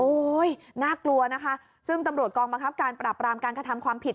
น่ากลัวนะคะซึ่งตำรวจกองบังคับการปราบรามการกระทำความผิด